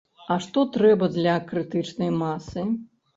А што трэба для крытычнай масы?